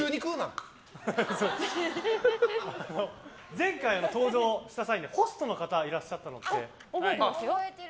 前回、登場した際にはホストの方がいらっしゃったのって。